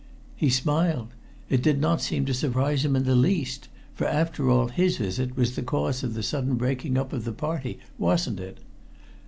"He smiled. It did not seem to surprise him in the least, for after all his visit was the cause of the sudden breaking up of the party, wasn't it?"